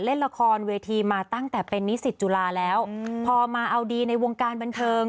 เล่นละครเวทีมาตั้งแต่เป็นนิสิตจุฬาแล้วพอมาเอาดีในวงการบันเทิง